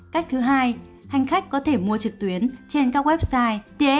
cách thứ hai hành khách có thể mua trực tuyến trên các website